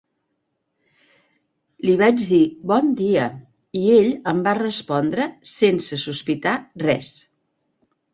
Li vaig dir "Bon dia" i ell em va respondre sense sospitar res.